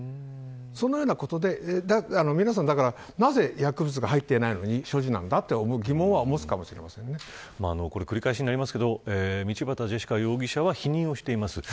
そのようなことで皆さん、だから、なぜ薬物が入ってないのに所持なんだとこれ繰り返しになりますけど道端ジェシカ容疑者は否認をしています。